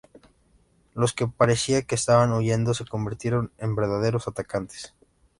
Los que parecía que estaban huyendo se convirtieron en verdaderos atacantes.